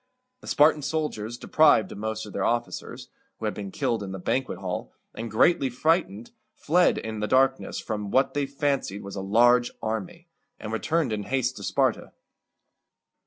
The Spartan soldiers, deprived of most of their officers (who had been killed in the banquet hall), and greatly frightened, fled in the darkness from what they fancied was a large army, and returned in haste to Sparta.